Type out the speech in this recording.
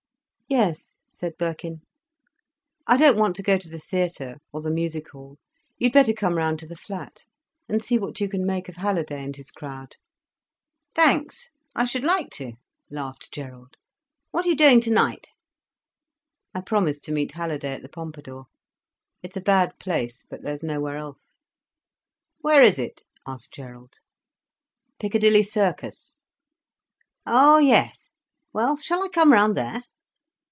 "Yes," said Birkin, "I don't want to go to the theatre, or the music hall—you'd better come round to the flat, and see what you can make of Halliday and his crowd." "Thanks—I should like to," laughed Gerald. "What are you doing tonight?" "I promised to meet Halliday at the Pompadour. It's a bad place, but there is nowhere else." "Where is it?" asked Gerald. "Piccadilly Circus." "Oh yes—well, shall I come round there?"